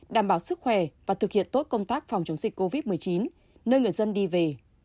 đảm bảo sức khỏe và thực hiện tốt công tác phòng chống dịch covid một mươi chín nơi người dân đi về